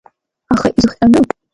Аха изыхҟьаны?